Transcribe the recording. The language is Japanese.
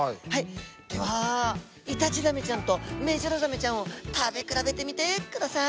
ではイタチザメちゃんとメジロザメちゃんを食べ比べてみてください。